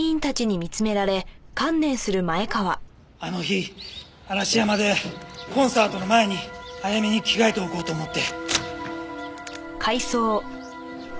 あの日嵐山でコンサートの前に早めに着替えておこうと思って。